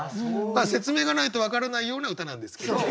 まあ説明がないと分からないような歌なんですけどね。